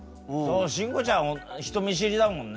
慎吾ちゃん人見知りだもんね。